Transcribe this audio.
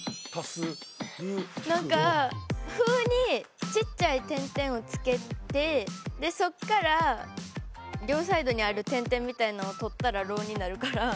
「ふ」にちっちゃい点々を付けてでそっから両サイドにある点々みたいのを取ったら「ろ」になるから。